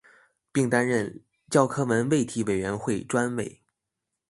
并担任教科文卫体委员会专委。